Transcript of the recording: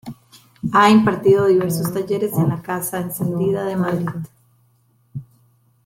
Ha impartido diversos talleres en La casa encendida de Madrid.